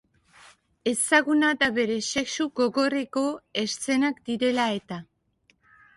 Ezaguna da bere sexu gogorreko eszenak direla eta.